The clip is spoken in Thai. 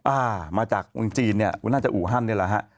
อ่ามาจากเมืองจีนเนี่ยก็น่าจะอู่ฮั่นนี่แหละฮะ